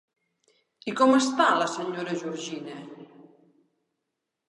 I com està la senyora Georgina?